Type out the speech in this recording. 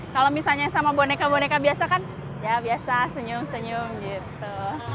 kalau misalnya sama boneka boneka biasa kan ya biasa senyum senyum gitu